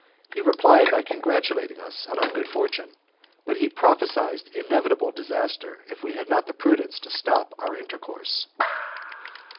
He replied by congratulating us on our good fortune, but he prophesied inevitable disaster if we had not the prudence to stop our intercourse.